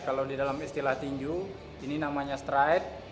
kalau di dalam istilah tinju ini namanya stride